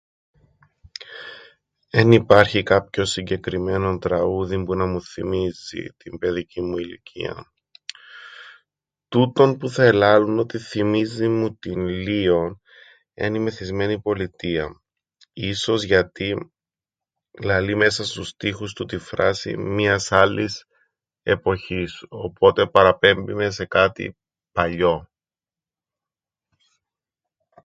"Εν υπάρχει κάποιον συγκεκριμμένον τραούδιν που να μου θθυμίζει την παιδικήν μου ηλικίαν. Τούτον που θα ελάλουν ότι θθυμίζει μου την λλίον εν' η ""Μεθυσμένη πολιτεία"". Ίσως γιατί λαλεί μέσα στους στίχους του την φράσην ""μίας άλλης εποχής"", οπότε παραπέμπει με σε κάτι παλιόν."